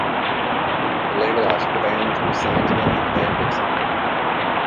The label asked the band to re-sign to them and the band accepted.